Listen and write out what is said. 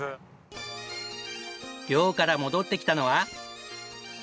漁から戻ってきたのは。